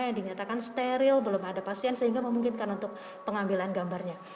yang dinyatakan steril belum ada pasien sehingga memungkinkan untuk pengambilan gambarnya